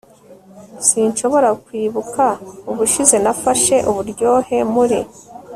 sinshobora kwibuka ubushize nafashe uburyohe muri